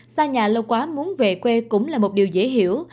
xa nhà lâu quá muốn về quê cũng là một điều dễ hiểu